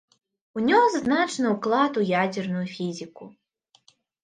Унёс значны ўклад у ядзерную фізіку.